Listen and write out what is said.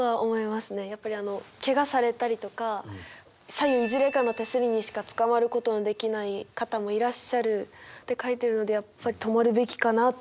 やっぱりあのケガされたりとか左右いずれかの手すりにしかつかまることのできない方もいらっしゃるって書いてるのでやっぱり止まるべきかなって思いますね。